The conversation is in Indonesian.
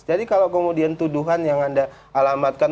jadi kalau kemudian tuduhan yang anda alamatkan